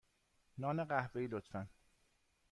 نان قهوه ای، لطفا.